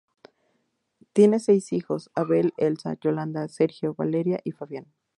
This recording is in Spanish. Tiene seis hijos: Abel, Elsa, Yolanda, Sergio, Valeria y Fabián.